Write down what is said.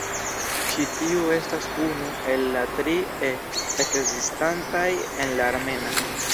Ĉi tiu estas unu el la tri "e" ekzistantaj en la armena.